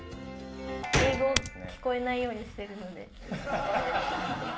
英語、聞こえないようにしてるので。